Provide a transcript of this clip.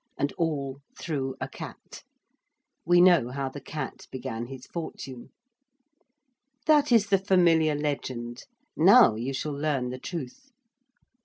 And all through a cat we know how the cat began his fortune. That is the familiar legend. Now you shall learn the truth.